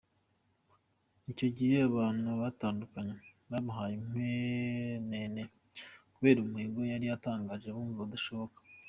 Icyo gihe abantu batandukanye bamuhaye inkwenene kubera umuhigo yari atangaje bumvaga utashoboka.